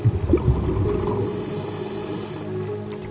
bagaimana cara menjelaskan kekuatan ikan tersebut